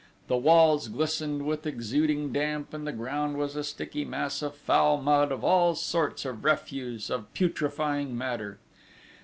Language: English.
The walls glistened with exuding damp, and the ground was a sticky mass of foul mud, of all sorts of refuse, of putrefying matter.